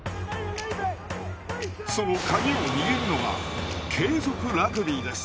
そのカギを握るのが継続ラグビーです。